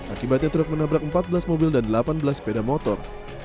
akibatnya truk menabrak empat belas mobil dan delapan belas sepeda motor